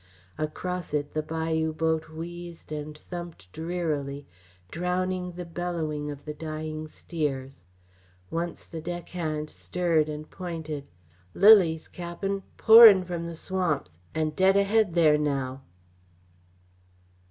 Across it the bayou boat wheezed and thumped drearily, drowning the bellowing of the dying steers. Once the deckhand stirred and pointed. "Lilies, Cap'n pourin' from all the swamps, and dead ahead there now!"